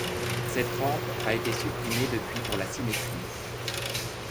Cette rampe a été supprimée depuis, pour la symétrie.